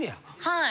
はい。